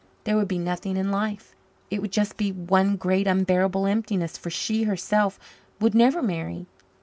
There would be nothing in life; it would just be one great, unbearable emptiness; for she, herself, would never marry.